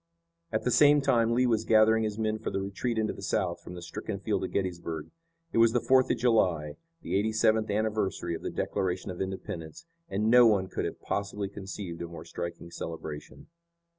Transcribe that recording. At the same time Lee was gathering his men for the retreat into the South from the stricken field of Gettysburg. It was the Fourth of July, the eighty seventh anniversary of the Declaration of Independence, and no one could have possibly conceived a more striking celebration.